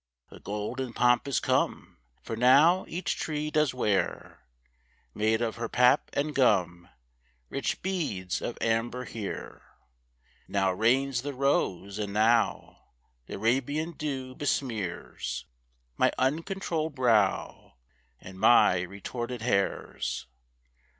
The golden pomp is come; For now each tree does wear, Made of her pap and gum, Rich beads of amber here. Now reigns the Rose, and now Th' Arabian dew besmears My uncontrolled brow, And my retorted hairs.